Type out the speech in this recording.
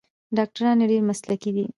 ډاکټران یې ډیر مسلکي دي.